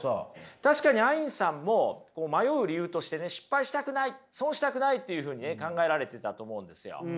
確かにアインさんも迷う理由としてね失敗したくない損したくないっていうふうにね考えられてたと思うんですよ。